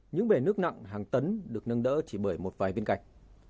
những bể nước nặng hàng tấn được nâng đỡ chỉ bởi một vài viên gạch